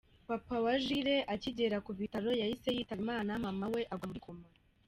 Papa wa Jules akigera ku bitaro yahise yitaba Imana, mama we agwa muri koma.